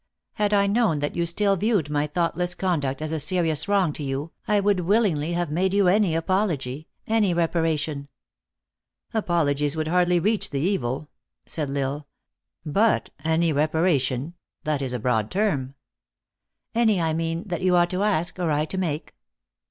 Had I known that you still viewed my thoughtless conduct as a serious wrong to yon, I would willingly have made you any apology, any reparation." " Apologies would hardly reach the evil," said L Isle. " But any reparation ! That is a broad term." " Any, I mean, that you ought to ask, or I to make."